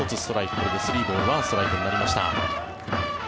これで３ボール１ストライクになりました。